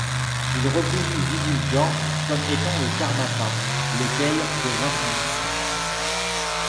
Il reconnu Dudul Dorje comme étant le Karmapa, lequel devint son disciple.